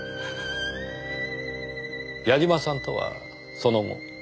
矢嶋さんとはその後。